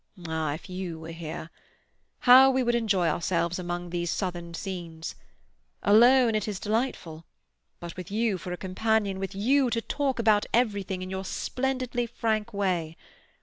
Ah, if you were here! How we would enjoy ourselves among these southern scenes! Alone, it is delightful; but with you for a companion, with you to talk about everything in your splendidly frank way!